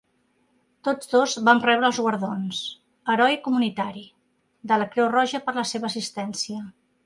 Tots dos van rebre els guardons "Heroi Comunitari" de la Creu Roja per la seva assistència.